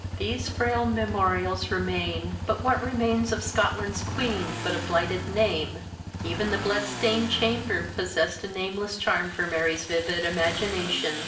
These frail memorials remain; but what remains of Scotland's Queen but a blighted name!" Even the blood stained chamber possessed a nameless charm for Mary's vivid imagination.